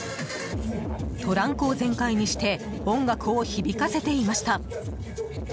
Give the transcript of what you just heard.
トランクを全開にして音楽を響かせていました。